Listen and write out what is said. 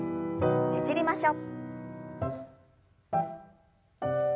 ねじりましょう。